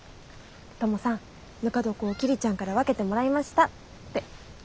トモさんぬか床を桐ちゃんから分けてもらいましたって。